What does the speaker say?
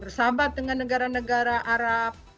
bersahabat dengan negara negara arab